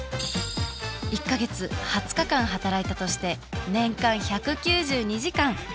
１か月２０日間働いたとして年間１９２時間！